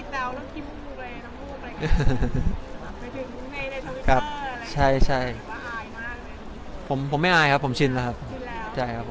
แล้วมีเต๋าแล้วครีมรูปกระยะน้ำมูกอะไรแบบนี้เป็นถึงในไทยธริปเตอร์มันอายมากไหม